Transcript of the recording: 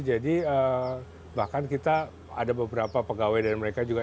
jadi bahkan kita ada beberapa pegawai dari mereka